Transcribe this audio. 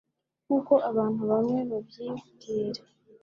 nkuko abantu bamwe babyibwira,